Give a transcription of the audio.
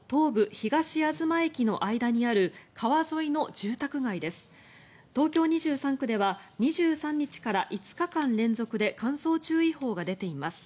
東京２３区では２３日から５日間連続で乾燥注意報が出ています。